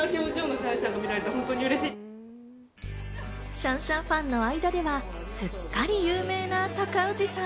シャンシャンファンの間では、すっかり有名な高氏さん。